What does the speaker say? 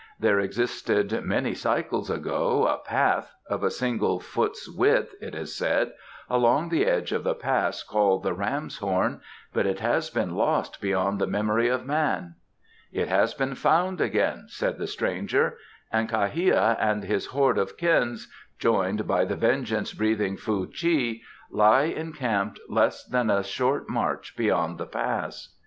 "There existed, many cycles ago, a path of a single foot's width, it is said along the edge of the Pass called the Ram's Horn, but it has been lost beyond the memory of man." "It has been found again," said the stranger, "and Kha hia and his horde of Kins, joined by the vengeance breathing Fuh chi, lie encamped less than a short march beyond the Pass."